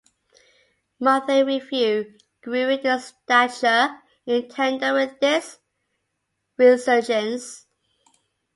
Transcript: "Monthly Review" grew in stature in tandem with this resurgence.